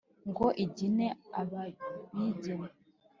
Ngo igine* abayigina*,